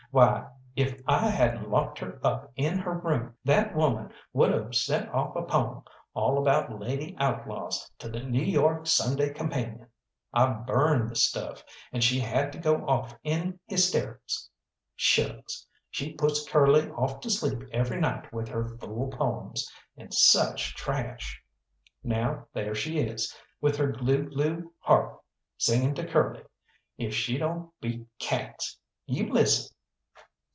Why, if I hadn't locked her up in her room, that woman would have sent off a poem, all about lady outlaws, to the New York Sunday Companion. I burned the stuff, and she had to go off in hysterics. Shucks! She puts Curly off to sleep every night with her fool poems and such trash! Now there she is, with her glue glue harp singing to Curly. If she don't beat cats! You listen."